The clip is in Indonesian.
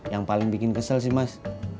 yang paling bikin kesel sih mas